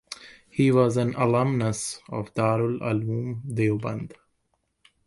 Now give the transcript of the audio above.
He was an alumnus of Darul Uloom Deoband.